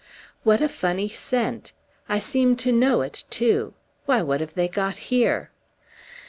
What a funny scent! I seem to know it, too. Why, what have they got here?"